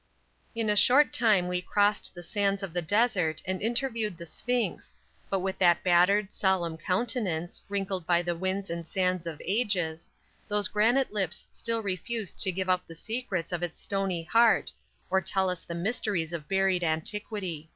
_ In a short time we crossed the sands of the desert and interviewed the Sphynx, but with that battered, solemn countenance, wrinkled by the winds and sands of ages, those granite lips still refused to give up the secrets of its stony heart, or tell us the mysteries of buried antiquity.